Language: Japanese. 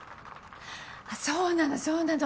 あっそうなのそうなの。